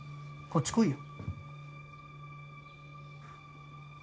こっち来いよ。